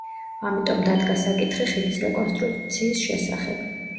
ამიტომ დადგა საკითხი ხიდის რეკონსტრუქციის შესახებ.